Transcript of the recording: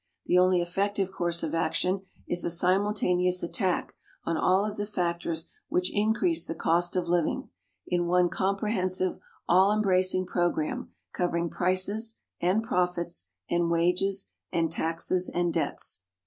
The only effective course of action is a simultaneous attack on all of the factors which increase the cost of living, in one comprehensive, all embracing program covering prices, and profits, and wages, and taxes and debts.